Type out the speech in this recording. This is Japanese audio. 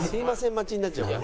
待ちになっちゃうから。